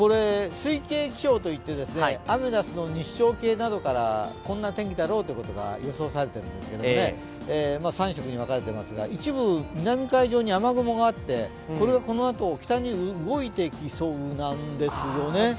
推計気象といって、アメダスの日照計などからこんな天気だろうということが予想されているんですけれども、３色に別れていますが、一部、南海上に雨雲があってこれがこのあと北に動いてきそうなんですよね。